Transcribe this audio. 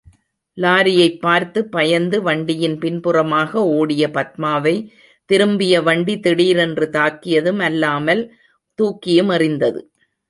லாரியைப் பார்த்து பயந்து, வண்டியின் பின்புறமாக ஓடிய பத்மாவை, திரும்பிய வண்டி திடீரென்று தாக்கியதும் அல்லாமல், தூக்கியும் எறிந்தது.